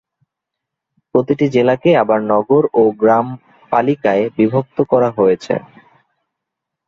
প্রতিটি জেলাকে আবার নগর ও গ্রামপালিকায় বিভক্ত করা হয়েছে।